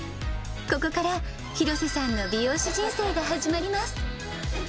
ここから廣瀬さんの美容師人生が始まります。